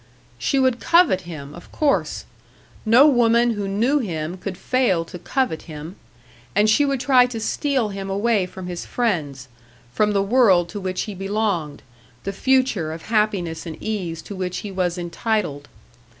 She would covet him, of course; no woman who knew him could fail to covet him. And she would try to steal him away from his friends, from the world to which he belonged, the future of happiness and ease to which he was entitled.